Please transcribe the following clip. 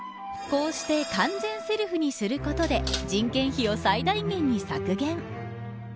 こうして完全セルフにすることで人件費を最大限に削減。